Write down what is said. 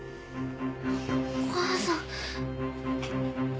お母さん。